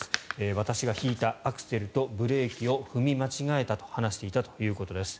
私がひいたアクセルをブレーキを踏み間違えたと話していたということです。